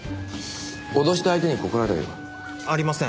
脅した相手に心当たりは？ありません。